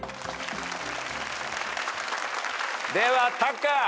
ではタカ。